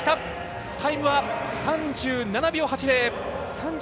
タイムは３７秒８０。